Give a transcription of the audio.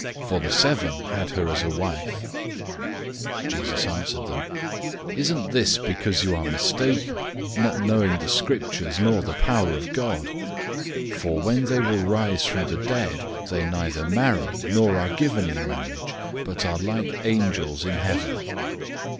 For the seven had her as a wife." 012:024 Jesus answered them, "Isn't this because you are mistaken, not knowing the Scriptures, nor the power of God? 012:025 For when they will rise from the dead, they neither marry, nor are given in marriage, but are like angels in heaven.